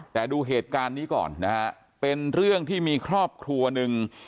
แต่ดูเหตุการณ์นี้ก่อนนะฮะเป็นเรื่องที่มีครอบครัวหนึ่ง